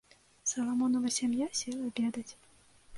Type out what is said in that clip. Саламонава сям'я села абедаць.